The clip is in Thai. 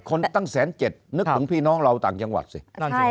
ตั้งแสนเจ็ดนึกถึงพี่น้องเราต่างจังหวัดสินั่นสิ